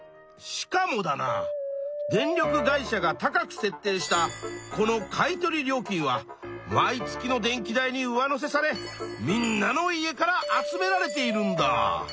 しかもだな電力会社が高く設定したこの買い取り料金は毎月の電気代に上乗せされみんなの家から集められているんだ。